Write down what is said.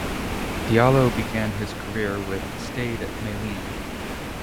Diallo began his career with Stade Malien.